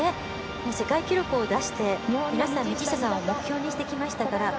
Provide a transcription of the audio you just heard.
世界記録を出して皆さん、道下さんを目標にしてきましたから。